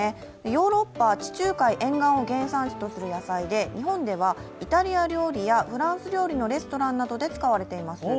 ヨーロッパ、地中海沿岸を原産地とする野菜で日本ではイタリア料理やフランス料理のレストランなどで使われています。